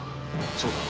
そうだ。